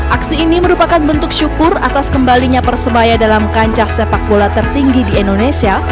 aksi ini merupakan bentuk syukur atas kembalinya persebaya dalam kancah sepak bola tertinggi di indonesia